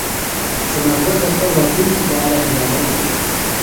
ثمر ګل د خپل راتلونکي په اړه هیله من دی.